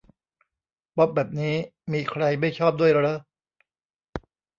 ป๊อปแบบนี้มีใครไม่ชอบด้วยเรอะ